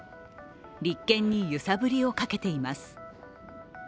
立憲に揺さぶりをかけています。